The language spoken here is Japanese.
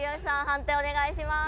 判定お願いします。